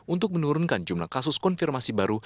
untuk menurunkan jumlah kasus konfirmasi baru